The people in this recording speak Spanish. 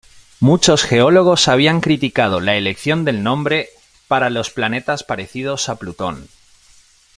Muchos geólogos habían criticado la elección del nombre para los planetas parecidos a Plutón.